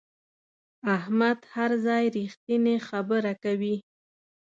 احمد هر ځای رښتینې خبره کوي.